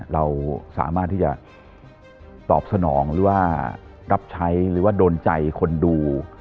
เราสามารถที่จะตอบสนองหรือว่ารับใช้หรือว่าโดนใจคนดู